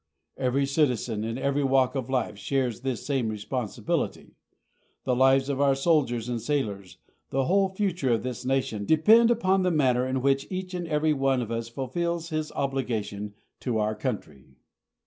Every citizen, in every walk of life, shares this same responsibility. The lives of our soldiers and sailors the whole future of this nation depend upon the manner in which each and every one of us fulfills his obligation to our country.